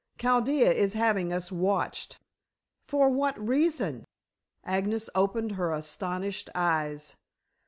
Chaldea is having us watched." "For what reason?" Agnes opened her astonished eyes.